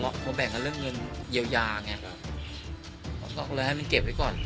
พอแบ่งกันเรื่องเงินเยียวยาไงก็เลยให้มันเก็บไว้ก่อน